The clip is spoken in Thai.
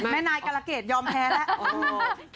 แม่นายกาลเกดยอมแพ้แล้ว